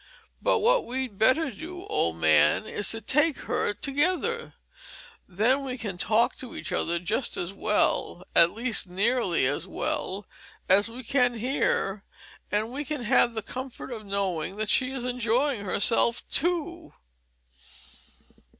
But what we'd better do, old man, is to take her together then we can talk to each other just as well, at least nearly as well, as we can here, and we can have the comfort of knowing that she is enjoying herself too.